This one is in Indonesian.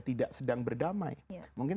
tidak sedang berdamai mungkin